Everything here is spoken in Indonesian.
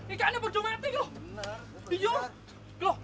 ini tidak bisa mati